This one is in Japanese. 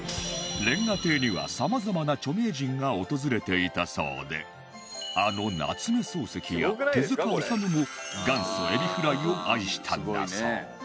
瓦亭にはさまざまな著名人が訪れていたそうであの夏目漱石や手治虫も元祖エビフライを愛したんだそう